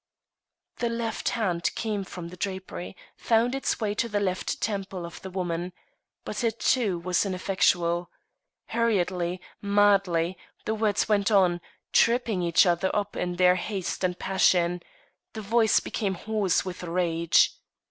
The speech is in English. The left hand came from the drapery; found its way to the left temple of the woman. But it, too, was ineffectual. Hurriedly, madly, the words went on, tripping each other up in their haste and passion. The voice now became hoarse with rage.